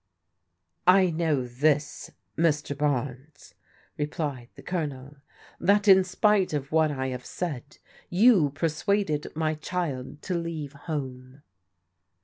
" I know this, Mr. Barnes," replied the Colonel, " that in spite of what I have said you persuaded my child to leave home.